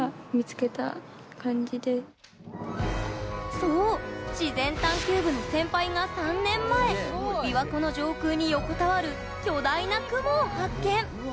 そう、自然探求部の先輩が３年前、琵琶湖の上空に横たわる巨大な雲を発見。